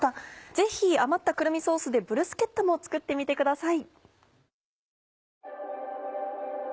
ぜひ余ったくるみソースでブルスケッタも作ってみてください。